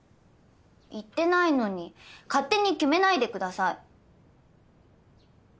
言ってないのに勝手に決めないでください。